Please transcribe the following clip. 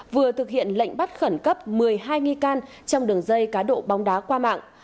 vừa thực hiện lệnh bắt khẩn cấp một mươi hai nghi can trong đường dây cá độ bóng đá qua mạng